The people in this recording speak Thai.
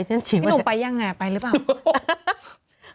พี่หนุ่มไปยังไงไปหรือเปล่า